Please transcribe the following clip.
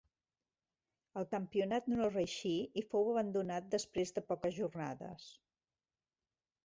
El campionat no reeixí i fou abandonat després de poques jornades.